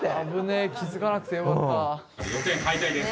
予選敗退です。